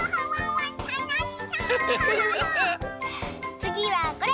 つぎはこれ。